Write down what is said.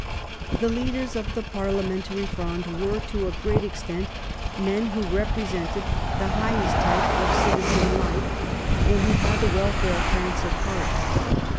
The leaders of the Parliamentary Fronde were to a great extent men who "represented the highest type of citizen life," and who had the welfare of France at heart.